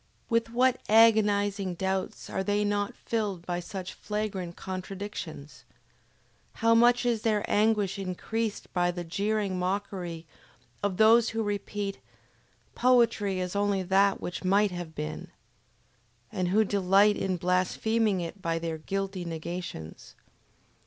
With what agonizing doubts are they not filled by such flagrant contradictions! How much is their anguish increased by the jeering mockery of those who repeat: "Poetry is only that which might have been" and who delight in blaspheming it by their guilty negations!